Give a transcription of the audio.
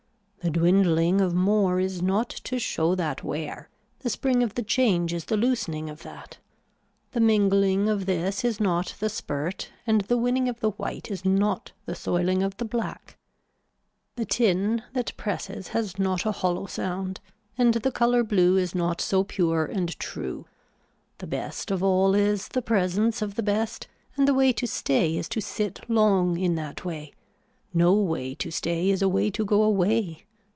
The dwindling of more is not to show that wear, the spring of the change is the loosening of that. The mingling of this is not the spurt and the winning of the white is not the soiling of the black. The tin that presses has not a hollow sound and the color blue is not so pure and true. The best of all is the presence of the best and the way to stay is to sit long in that way. No way to stay is a way to go away.